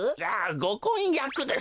ごこんやくです。